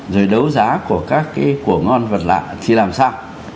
rồi đấu giá của các cái của ngon vật lạ khi làm sao